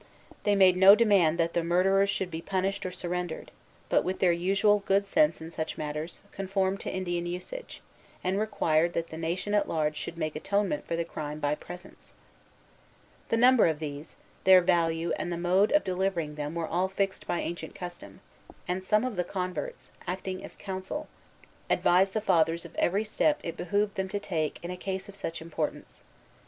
They made no demand that the murderers should be punished or surrendered, but, with their usual good sense in such matters, conformed to Indian usage, and required that the nation at large should make atonement for the crime by presents. The number of these, their value, and the mode of delivering them were all fixed by ancient custom; and some of the converts, acting as counsel, advised the Fathers of every step it behooved them to take in a case of such importance.